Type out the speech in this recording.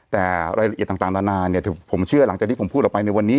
แต่รายละเอียดต่างนานาผมเชื่อหลังจากที่ผมพูดออกไปในวันนี้